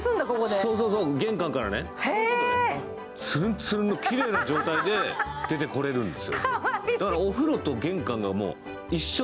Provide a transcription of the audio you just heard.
ツルンツルンのきれいな状態で出てこれるんです。